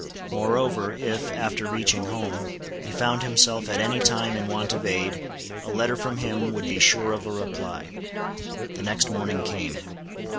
Moreover, if, after reaching home, he found himself at any time in want of aid, a letter from him would be sure of a reply. The next morning came.